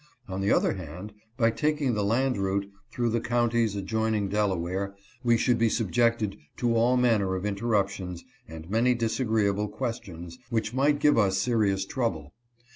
On the other hand, by taking the land route, through the counties adjoining Delaware, we should be subjected to all manner of interruptions, and many disa greeable questions, which might give us serious trouble.